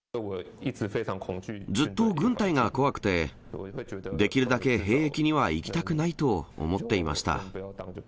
ずっと軍隊が怖くて、できるだけ兵役には行きたくないと思っていました。